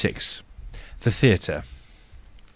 The Theatre .